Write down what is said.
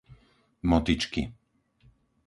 Motyčky